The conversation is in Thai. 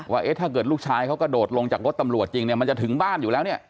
ว่าถ้าเกิดลูกชายเขากระโดดลงจากรถตำรวจจริงเนี่ยมันจะถึงบ้านอยู่แล้วเนี่ย